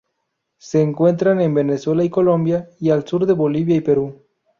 Se encuentran en Venezuela y Colombia y al sur de Bolivia y Perú.